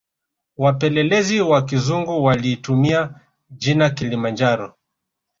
Wapelelezi Wa kizungu walitumia jina kilimanjaro